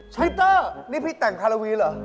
วิเตอร์นี่พี่แต่งคาราวีเหรอ